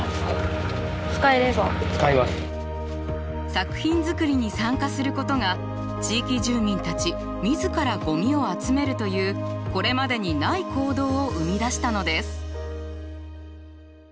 作品作りに参加することが地域住民たち自らゴミを集めるというこれまでにない行動を生み出したのです。